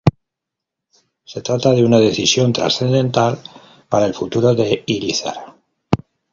Se trata de una decisión transcendental para el futuro de Irizar.